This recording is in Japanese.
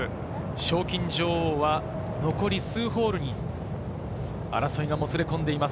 賞金女王は残り数ホールに争いがもつれ込んでいます。